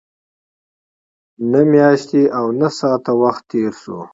نهه میاشتې او نهه ساعته وخت تېر شو.